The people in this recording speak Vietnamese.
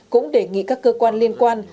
cũng đề nghị các cơ quan liên quan